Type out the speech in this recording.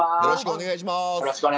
よろしくお願いします。